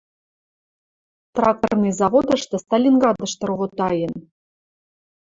Тракторный заводышты Сталинградышты ровотаен.